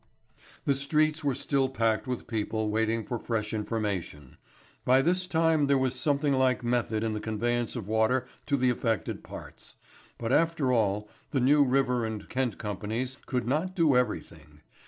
The streets were still packed with people waiting for fresh information. By this time there was something like method in the conveyance of water to the affected parts. But after all the New River and Kent companies could not do everything.